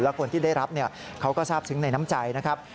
คนที่ได้รับเขาก็ทราบซึ้งในน้ำใจนะครับ